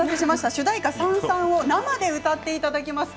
主題歌「燦燦」を生で歌っていただきます。